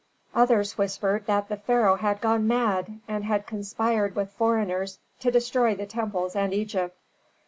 Others whispered that the pharaoh had gone mad, and had conspired with foreigners to destroy the temples and Egypt.